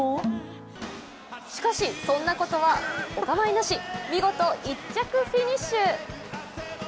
しかし、そんなことはおかまいなし見事１着フィニッシュ。